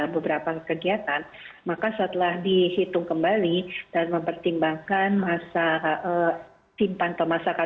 beberapa kegiatan maka setelah dihitung kembali dan mempertimbangkan masa simpan pemasakan